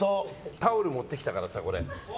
タオル持ってきたからさ。